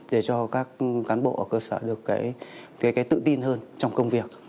để cho các cán bộ ở cơ sở được tự tin hơn trong công việc